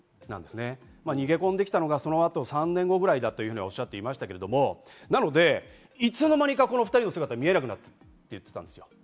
逃げ込んできたのはそのあと３年後ぐらいだとおっしゃっていましたが、いつの間にかこの２人の姿、見えなくなったと言っていました。